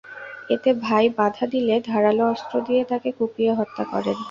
এতে ভাই বাধা দিলে ধারালো অস্ত্র দিয়ে তাঁকে কুপিয়ে হত্যা করেন।